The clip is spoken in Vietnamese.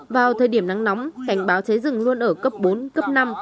vào thời điểm nắng nóng cảnh báo cháy rừng luôn ở cấp bốn cấp năm